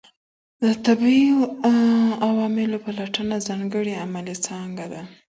د طبیعي علومو پلټنه ځانګړې علمي څانګه ده.